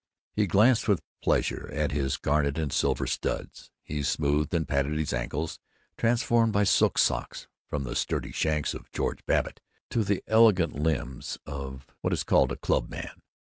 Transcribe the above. He glanced with pleasure at his garnet and silver studs. He smoothed and patted his ankles, transformed by silk socks from the sturdy shanks of George Babbitt to the elegant limbs of what is called a Clubman.